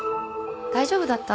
大丈夫だった？